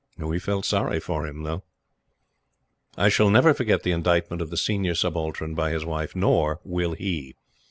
We felt sorry for him, though. I shall never forget the indictment of the Senior Subaltern by his wife. Nor will he.